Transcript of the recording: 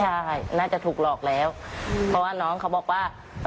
ใช่น่าจะถูกหลอกแล้วเพราะว่าน้องเขาบอกว่า